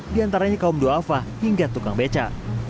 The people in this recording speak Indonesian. diantaranya kaum do'afa hingga tukang beca